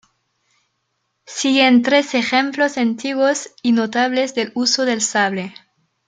Siguen tres ejemplos antiguos y notables del uso del sable.